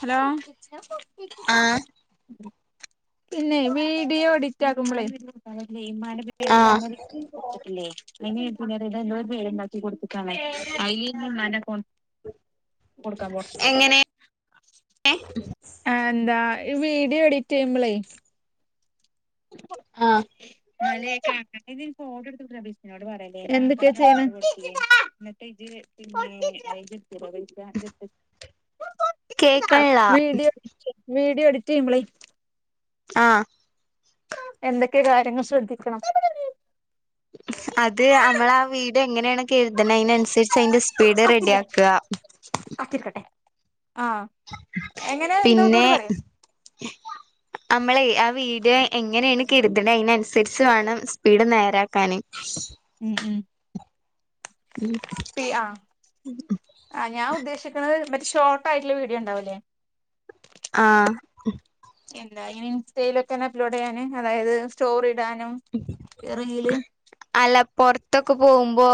Hello ആഹ് പിന്നെ video edit ആകുമ്പോളേ ന്റെ ആഹ് പേ പിന്നെ പുന എ പേര് ഉണ്ടാക്കി കൊടുത്തു മ്മാൻ്റെ കൊ കൊടുക്കാൻ പോ എങ്ങനെ ആ എന്താ വീഡിയോ എഡിറ്റ് ചെയ്യുമ്പോളേ അല്ല ആഹ് [unintelligible] [inaudible] [unintelligible] കേക്കണില്ല വീഡിയോ [inaudible] വീഡിയോ എഡിറ്റ് ചെയ്യുമ്പളെ ആഹ് എന്തൊക്കെ കാര്യങ്ങൾ ശ്രദ്ധിക്കണം അത് നമ്മള് ആ വീഡിയോ എങ്ങനെയാണ് കരുതണ് അതിനനുസരിച്ച് അതിന്റെ സ്പീഡ് റെഡി ആക്കുക ആഹ് എങ്ങനെയ എന്തോ പിന്നെ ഒന്ന്കൂടി പറയാം നമ്മളെ ആ വീഡിയോ എങ്ങനെയാണ് കരുതുന്നത് അതിനനുസരിച്ച് വേണം സ്പീഡ് നേരാക്കൻ ഉം ഉം പി ആ ആ ഞാൻ ഉദ്ദേശിക്കുന്നത് മറ്റ ഷോർട്ട് ആയിട്ടുള്ള വീഡിയോ ഉണ്ടാവല്ലേ ആഹ് എന്താ ഇനി ഇൻസ്റ്റയിലൽ ഒക്കെന്നെ അപ്ലോഡ് ചെയ്യാന് അതായത് സ്റ്റോറി ടാനും റീല് ത്തൊക്കെ പോകുമ്പോ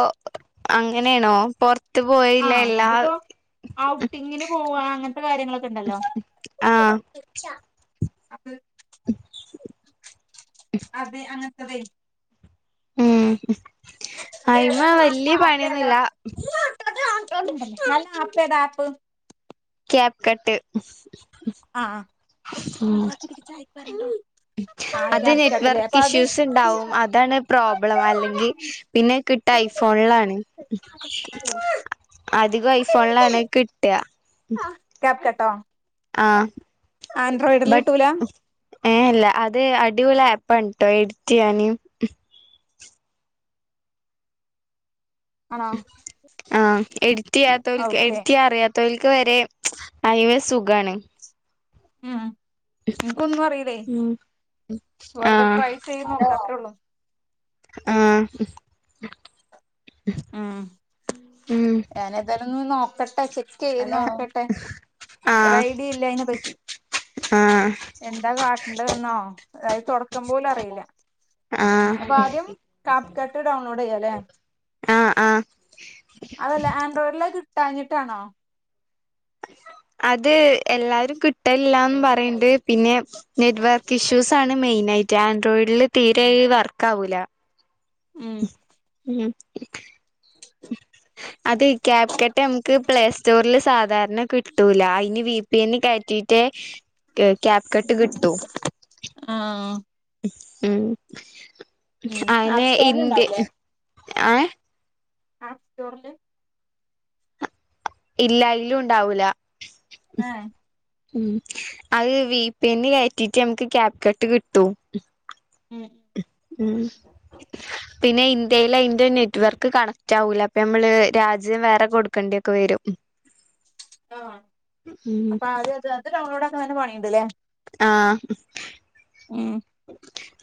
അങ്ങനെയാണോ പൊറത്ത് പോയില്ല ആഹ് എല്ലാ നമ്മളിപ്പോ ഔട്ടിങ്ങിന് പോവാ അങ്ങനത്തെ കാര്യങ്ങളൊക്കെ ഉണ്ടല്ലോ ആഹ് അത്. അതെ. അങ്ങൻത്തതെ മ്മ്. ഉം അയിമ അതേതാണ്. മാ വല്യ ആപ്പെതാ പണിയൊന്നുമില്ല നല്ല ആപ്പെതാ. ആപ്പ് കപ്പ്‌കട്ട് ആഹ കൊറച്ച അത് നെറ്റ്വർക്ക് ഇഷ്യൂസ് ണ്ടാവും അതാണ് പ്രോബ്ലം അല്ലെങ്കിൽ പിന്നെ കിട്ട ഐഫോൺ ളാണ്. അധികം ഐഫോണ്ലാണ് കിട്ട ഉം പ്പ്. കെട്ടോ. ആൻഡ്രോയിഡർല് കിട്ടൂല ഹേ, ഇല്ല. അത് അടിപൊളി ആപ്പാണ് ട്ടോ. എഡിറ്റ് യ്യാൻ ആണോ ഹ്. ആഹ,. എഡിറ്റ്യ്യാതോൽക് ഓക്കെ എഡിറ്റ് യ്യാ. അറിയാ തൊൽക്ക് വരേം അയേസുഖാണ് മ്മ്. ആ ൻക്ക് ഒന്നു അറിയിലേ. ഉം വെറുതെ ട്രൈ ചെയ് നോക അത്രേള്ളു ആഹ. ഹ്. ഹ് ഉം ഞാനേതായാലും. ന്ന് വന്ന് നോക്കട്ടെ ചെക് ത് നോക്കട്ടെ ഒര ആഹ് ഐഡി ഇല്ലയിനെ പറ്റി ആഹ് എന്താ കാട്ടണ്ടന്നോ. അഹ്. തോടക്ക പോലും അറിയില്ല അപ്പൊ ആഹ് ആദ്യം കാപ്പ്കട്ട്. ഡൗൺലോഡ് യ്യല്ലേ ആഹ് ആഹ് അതല്ല. ആൻഡ്രോയിഡിൽ. അഹ് കിട്ടാഞ്ഞിട്ടാണോ അത് എല്ലാരും കിട്ടല്ലാന്ന് പറയിണ്ട് പിന്നെ നെറ്റ്വർക്ക് ഇഷ്യൂ സ്സാണ്. മെയിൻ ആയിട്ട് ആൻഡ്രോയിഡില് തീരെ വർക്ക ആാവൂല ഉം ഉം അത് ക്യാപ്കട്ട്. മുക്ക് പ്ലേ സ്റ്റോറിൽ സാധാരണ കിട്ടൂല അയിന് വിപി. എന്ന് കയറ്റിറ്റെ കെ. ക്യാപ്. കട്ട് കിട്ടു ആഹആ മ്മ്.. ഹ്. ആപ്പ് അയിനെ സ്റ്റോറിൽ ഇന്തി ഹ്. ആഹേ ആ. സ്റ്റോർല് ഇല്ല അയിലു. ഉണ്ടാവൂല ആ, ഹേ ഉം അഹ്. വിപി. ന്. കെറ്റിട്ട്. നമക്ക് ക്യാപ് കട്ട് കിട്ടൂ ഉം മ്മ്. പിന്നെ. ഇന്ത്യയിലെ. അയ് ന്റെ നെറ്റ് വർക്ക്. കണക്റ്റാവൂല അപ്പനമ്മ്ള് രാജ്യം വേറെ കൊടുക്കണ്ടിയൊക്കെ വെരും ആ, അപ്പാദ്യത്. അത് ഡൗൺലോഡാക്കാൻന്നല്ല പണിണ്ട്ലേ ആഹ ഉം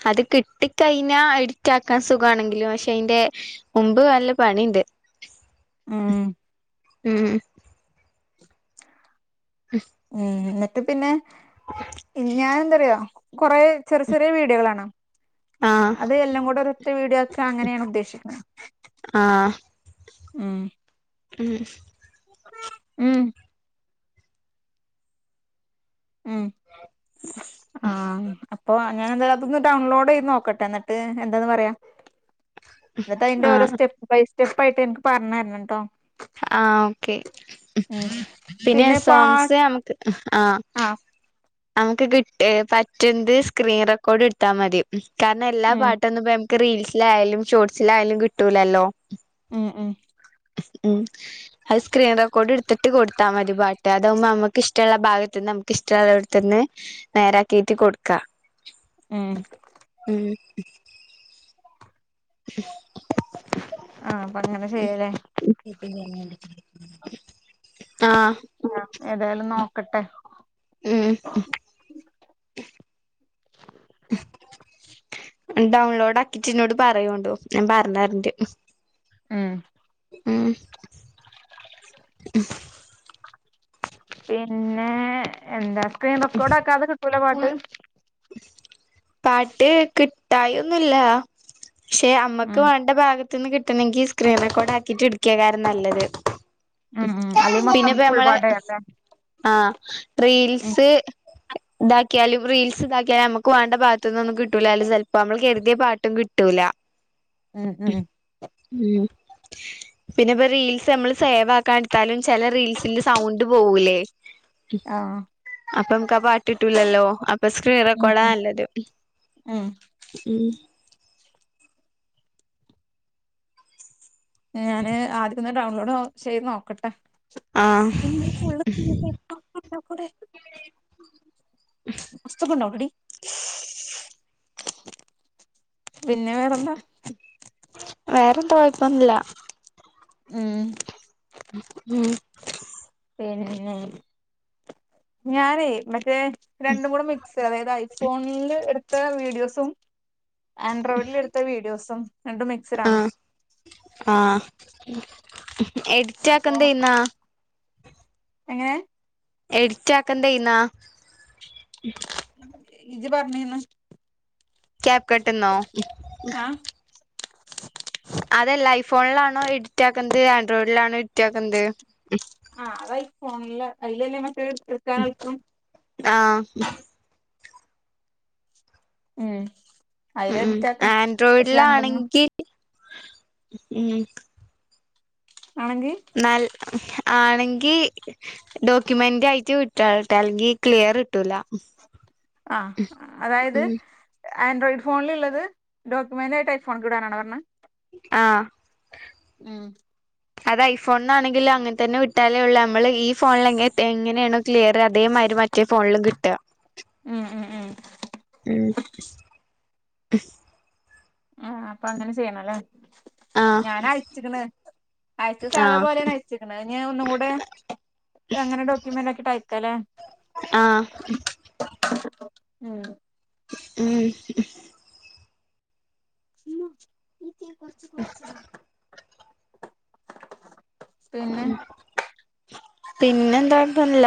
അത് കിട്ടി കയ്ഞ്ഞാ എഡിറ്റാക്കാസുഗാണെങ്കില് പഷേ അയ്ന്റെ മുമ്പ് വല്ല പണിണ്ട് ഉം മ്മ് മ്മ്ന്ന് ട്ട് പിന്നെ ഞാഎന്തറിയോ കൊറേ ചെറി ചെറിയ വീഡിയൊകളാണോ ആഹ് അത് എല്ലാംകൂടെ. ഒരൊറ്റ വീഡിയോ ക്ക അങ്ങനെണ് ഉദ്ദേശിക്ക്‌ണ്. മ്മ് ഹ്ഹ ഉം ഉം ആ അപ്പൊ അങ്ങനത് അതൊന്ന് ഡൗൺലോടെയ്ത് ന്നൊക്കട്ട് ട്ടെ എന്നട്ട് എന്തന്ന് പറയാം എന്നട്ട് അയ്ന്റെ ഓരോ ആഹ് സ്റ്റെപ്പയ് സ്റ്റെപ്പായ്ട്ട് എനിക്ക് പർണെരംട്ടോ ആഹ ഓക്കെ ഉം ഹ്മ്. പിന്നെ സോങ്സ് ന്നമ്ക്ക് ഹ ആ ആഹഅങ്ങ്ക്ക്‌ ക്കിട്ടേ എ പറ്റ്ന്ത് സ്ക്രീൻ റെക്കോടെടുത്താ മതി കാരണം എല്ലാ ഉം പാട്ടൊന്നും ഇപ്പന്നമ്ക്ക് റീൽസിലായ്ലും ഷോർട്സിലായ്ലും കിട്ടൂലല്ലോ മ് മ് ഉം അത് സ്ക്രീൻ റെക്കോട് ഇഡ്ത്ത്ട്ട് കൊടുത്താ മതി പാട്ട് അതാവുമ്പ ന്നമ്മക്ക് ഇഷ്ട്ടള്ള ഭാഗത്ത്ന്ന് ന്നമ്ക്ക് ഇഷ്ട്ടള്ള എട്ത് ത്തന്നെ നേരാക്കിറ്റ് കൊട്ക്ക ഉം മ് [inaudible] ആ അപ്പൊ അങ്ങനെ ചെയ്യലേ [unintelligible] ആഹ് ആ ഏതായാലും നോക്കട്ടെ മ് ഡൗൺലോഡാക്കിറ്റ് ഇന്നോട് പറയോണ്ടു ഞാൻ പറഞ്ഞര്ണ്ട് മ് മ് മ് പിന്നെ എന്താ സ്ക്രീൻ റെക്കോഡാക്കാതെ കിട്ടൂല പാട്ട് പാട്ട് കിട്ടായൊന്നില്ലാ പഷേ അമ്മക്ക് ഉം വേണ്ട ഭാഗത്ത് ത്ത്ന്ന് കിട്ടണങ്കി സ്ക്രീൻറെക്കോഡാക്കിട്ട് ഇട്ക്കേകാരം ന്നല്ലത് ഉം ഉം അല്ലെ മൊത്തം പിന്നെപ്പ ഫുൾ നമ്മള് പാട്ടല്ലേ ആഹ ട്രീൽസ് ഉം സ് ഇതാക്ക്യാലും റീൽസ് ഇതാക്ക്യാലും ന്നമുക്ക് വേണ്ട ഭാഗത്ത്ന്നൊന്നും കിട്ടൂല അയ്ല് സെൽപ്പോ നമ്മ്ള് കര് തിയ പാട്ടും കിട്ടൂല ഉം ഉം പിന്നപ്പ റീൽസ് നമ്മള് സേവാക്കാ എട്ത്താലും ച്ചെല റീൽസിന്റെ സൗണ്ട് പോവൂലേ ആഹ അപ്പമ്ക്ക്‌ ആ പാട്ട്ട്ടൂലല്ലോ അപ്പ സ്ക്രീൻ ഉം റെക്കോഡാ ഉം ന്നല്ലത് ഉം ഞാന് ആദ്യം ഒന്ന് ഡൗൺലോഡ് ഓ ചെയ്ത് നോക്കട്ടെ ആഹ് പിന്നെ ഫുള്ള് [unintelligible] കൂടെ പുസ്തക്ണ്ടോ ഓൾറെഡി പിന്നെ വേറെന്താ വേറെന്ത കൊഴപ്പൊന്നില്ല മ് മ് പിന്നെ ഞാനേ മറ്റേ രണ്ടും കൂടെ മിക്സ് അതായത് ഐഫോൺല് എടുത്ത വീഡിയോസും ആൻഡ്രോയ്ട്ല് ഇടുത്ത വീഡിയോസും രണ്ടും മിക്സിഡാണ് ആഹ് ആഹ് എഡിറ്റ് ആക്കന്തെന്നാ എങ്ങനെ എഡിറ്റ ആക്കന്തേന്നാ ഇജ്ജ് പറഞ്ഞീന്ന് ക്യാപ്പ്കട്ട്ന്നോ ആഹ് ഐഫോണിലാണോ എഡിറ്റാക്കുന്ത് ആൻഡ്രോയിഡിലാണോ എഡിറ്റാക്കുന്ത് ആ അത് ഐഫോൺലാ അയിൽല്ലല്ലേ മറ്റ ആ മ് ഉം ആൻഡ്രോയിഡിലാണെങ്കിൽ മ് ആണെങ്കി നൽ ആണെങ്ക ക്കി ഡോക്യമെന്റായിട്ട് വിട്ടോളാട്ടാ ല്ലെങ്കിൽ ക്ലിയർ കിട്ടൂല ആ അതായത് ഉം ആൻഡ്രോയിഡ് ഫോണില്ള്ളത് ഡോക്യുമെന്റായിട്ട് ഐ ഫോൺക് ഇടാനാണോ പറഞ്ഞത് ആ ഉം അത് ഐ ഫോൺന്നാണെങ്കിലും അങ്ങൻതന്നെ വിട്ടാലേ ഉള്ളൂ അമ്മള് ഈ ഫോണില് എങ്ങ എങ്ങനെയണോ ക്ലിയർ അതേ മറ്റേ ഫോണിലും കിട്ടുക. ഉം ഉം ഉം ആ അപ്പ അങ്ങനെ ചെയ്യണല്ലേ ആഹ് ഞാൻ അയച്ച്ക്കണ്. അയച്ച സാധാ ആഹ് പോലെയാണ് അയച്ചിക്ക്ണത്. അത് ഞാൻ ഒന്നും കൂടെ എങ്ങനെ ഡോക്യുമെന്റ് ആക്കിട്ടയക്കാല്ലേ? ആ ഉം ഉം. [unintelligible] പിന്നെ പിന്നെ എന്താ [unintelligible] അല്ല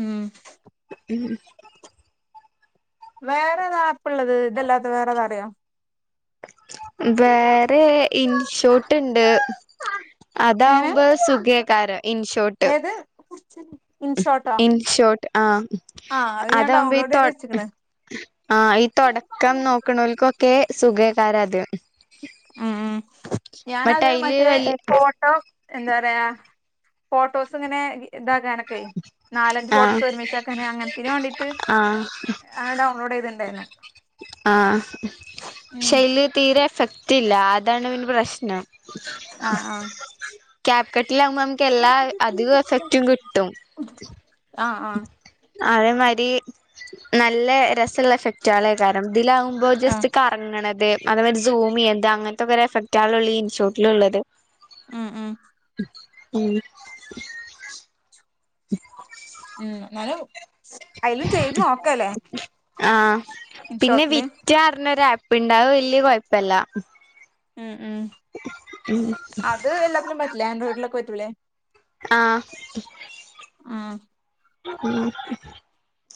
ഉം [unintelligible] വേറെ ഏതാപ്പ്ള്ളത് ഇതെല്ലാത്ത വേറെതാറിയോ? വേറെ ഇൻഷോട്ട്ണ്ട്. എങ്ങനെ അതാവുമ്പോ സുഖേകാര ഇൻഷോട് ഏത്? ഇൻഷോട്ടോ ഇൻ ഷോട്ട് ആ ആഹ് അത് ഞാൻ അതാകുമ്പോ ഈ ഡൗൺലോഡ് തൊ ചെയ്ത് വെച്ച്ക്ക്ണ് ആ ഈ തൊടക്കം നോക്ക്ണോൽക്കൊക്കെ സുഖാകാരാത് ഉം. ഞാനത് അയില് മറ്റേ വല്യ ഫോട്ടോ എന്താറയാ ഫോട്ടോസ് ഇങ്ങനെ ഇതാക്കാനൊക്കെ നാലഞ്ച് ആഹ് ഫോട്ടോസ് ഒരുമിച്ചാക്കാനെ അങ്ങനെത്തേന് വേണ്ടിട്ട് ആഹ് ആഡൗൺലോഡ് ചെയ്തിണ്ടായിരുന്നു. ആ ഉം ക്ഷെയ്ല് തീരെ എഫക്റ്റ് ഇല്ല. അതാണ് പിന്നെ പ്രശ്നം. ആഹ് ക ലമ്പോ നമുക്ക് എല്ലാ അധിക എഫക്റ്റും കിട്ടും. ആഹ് ആഹ് ആഹ് അതേമാരി നല്ല രസ ള്ളഫക്റ്റാളെകാരം ഇതിലാവുമ്പോ ആഹ് ജസ്റ്റ് കറങ്ങണ അതേഅതമറ്റ സൂമിയ്താ അങ്ങനത്തെക്കരെഫക്റ്റാ ഈ ഇൻസ്റ്റിറ്റ്യൂട്ടില്ള്ളത്. ഉം ഉം ഉം ഉം എന്നാലും അയ്ലും ചെയ്ത് നോക്കല്ലേ ആ പിന്നെ ഇൻഷോട്ടില് വിറ്ററഞ്ഞ രാപ്പ് പ്പ്ണ്ട്. അത് വല്യ കുഴപ്പമില്ല. ഉം ഉം ആ ആഹ് ഉം.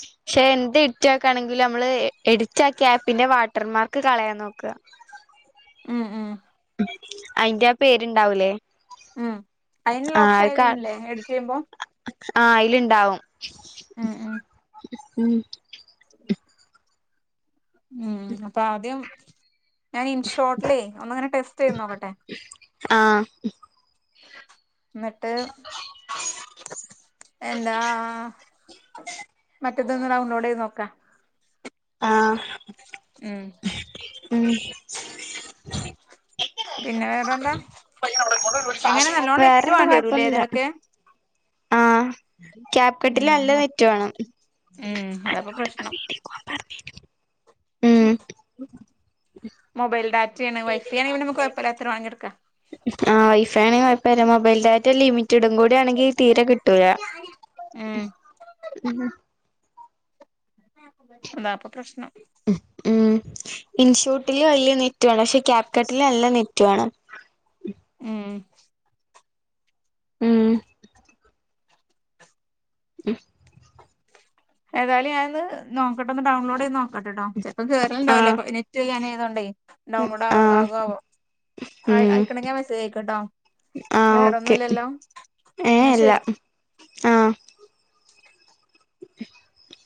പക്ഷെ എന്ത് എഡിറ്റിക്കാണെങ്കിലും നമ്മള് എഡിറ്റാ ക്യാപ്പിന്റെ വാട്ടർമാർക്ക് കളയാൻ നോക്കുക. ഉം ഉം അയിന്റെ ആ പേരുണ്ടാവൂലേ? ഉം. അതിനുള്ള ഓപ്ഷൻ ഇല്ലേ എഡിറ്റ് ചെയ്യുമ്പോ? ആ അതിലുണ്ടാവും. ഉം. ഉം. ഉം ഉം. അപ്പൊ ആദ്യം ഞാൻ ഇൻഷോർട്ടിലെ ഒന്നങ്ങനെ ടെസ്റ്റ് ചെയ്ത് നോക്കട്ടെ. ആ എന്നിട്ട്? എന്താ? റ്റേത് ഒന്ന് ഡൗൺലോഡ് ചെയ്ത് നോക്കാം. ആ ഉം ഉം പിന്നെ വേറെന്താ എങ്ങനെ നല്ലോണം നെറ്റ് വേറെണ്ട വേണ്ടി വരൂലേ കൊഴപ്പൊന്നില്ല ഇതിനൊക്കെ ആ ക്യാപ്കട്ടിൽ ഉം നല്ല അ നെറ്റ വേന്നം ഉം അതപ്പൊ [unintelligible] ആ മൊബൈൽ ഡാറ്റിയണ് വൈഫൈ ആണെങ്കിൽ നമുക്ക് കൊയപ്പല്ലാത്രും വാങ്ങിടുക്കാം ആ വൈഫൈ ആണ മൊബൈൽ ഡാറ്റ ലിമി ചറ്റിടും കൂടിയ ആണെങ്കി തീരെ കിട്ടൂയാ ഉം അതാപ്പൊ പ്രശ്നം ഉം ഇൻഷൂട്ടില് വലിയ നെറ്റ് ആണ് പക്ഷെ ക്യാപ്കട്ടില് നല്ല നെറ്റ് റ്റാണ് ഉം ഉം ഉ ഏതായും ഞാനന്ന് നോക്കട്ടൊന്ന് ഡൗൺലോഡ് ചെയ്ത് നോക്കട്ടെട്ടോ ചെപ്പോം കേറണ്ടാവല്ലോ ആഹ് നെറ്റ് ഞൻ ഏതണ്ട് ഡൗൺലോഡ് ആ ആഹ് ആക ആ ഉം ആയിക്കണമെങ്ക മെസ്സേജ് ആയക്കോട്ടോ ആഹ് വേറെ ഓക്കെ ഒന്നുംല്ലല്ലോ ഏഹ് എന്നാ അല്ല ശരി ആഹ് [unintelligible]